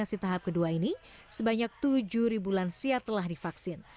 vaksinasi tahap kedua ini sebanyak tujuh lansia telah divaksin